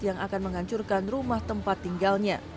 yang akan menghancurkan rumah tempat tinggalnya